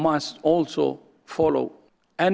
juga harus dikawal